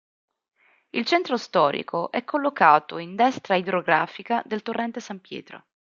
Il centro storico è collocato in destra idrografica del torrente San Pietro.